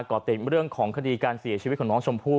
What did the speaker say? ่อติดเรื่องของคดีการเสียชีวิตของน้องชมพู่